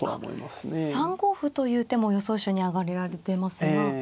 ３五歩という手も予想手に挙げられてますが。